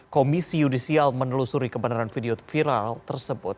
komisi yudisial menelusuri kebenaran video viral tersebut